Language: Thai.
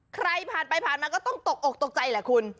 ใครผ่านไปผ่านมาก็ต้องตกอกตกใจแหละคุณ